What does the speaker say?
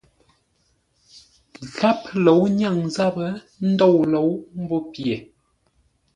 Gháp lǒu nyáŋ záp ndôu lǒu mbó pye.